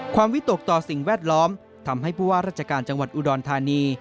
วิตกต่อสิ่งแวดล้อมทำให้ผู้ว่าราชการจังหวัดอุดรธานี